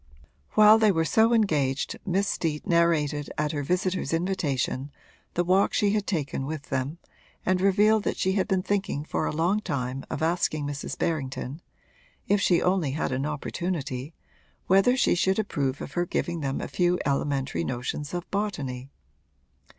While they were so engaged Miss Steet narrated at her visitor's invitation the walk she had taken with them and revealed that she had been thinking for a long time of asking Mrs. Berrington if she only had an opportunity whether she should approve of her giving them a few elementary notions of botany.